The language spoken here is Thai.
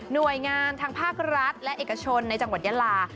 โดยงานทางภาครัฐและเอกชนในจังหวัดยาลา